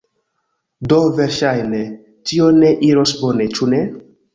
Do verŝajne, tio ne iros bone, ĉu ne?